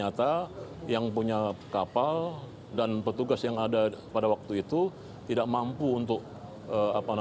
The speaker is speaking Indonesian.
oke kapal sudah terbalik tapi